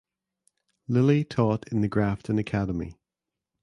Lillie taught in The Grafton Academy.